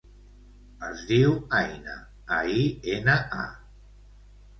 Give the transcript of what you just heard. Es diu Aina: a, i, ena, a.